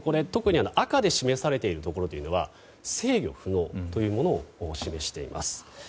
赤で示されているところは制御不能のところを示しています。